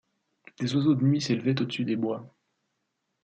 Des oiseaux de nuit s’élevaient au-dessus des bois